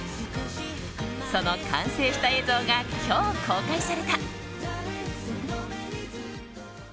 その完成した映像が今日公開された。